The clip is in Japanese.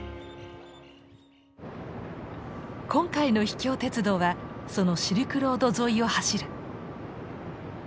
今回の秘境鉄道はそのシルクロード沿いを走る。